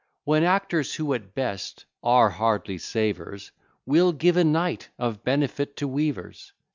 When actors, who at best are hardly savers, Will give a night of benefit to weavers?